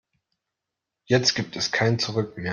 Jetzt gibt es kein Zurück mehr.